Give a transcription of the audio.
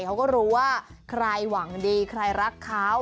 เขาก็รู้ว่าใครหวังดีใครรักเขา